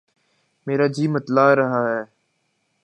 میرا جی متلا رہا ہے